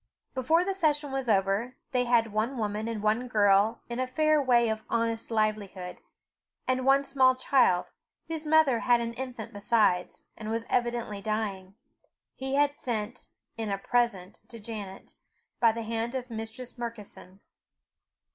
Before the session was over, they had one woman and one girl in a fair way of honest livelihood, and one small child, whose mother had an infant besides, and was evidently dying, he had sent "in a present" to Janet, by the hand of Mistress Murkison.